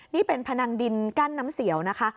นี่เป็นพนังดินกั้นน้ำเสียวนะคะ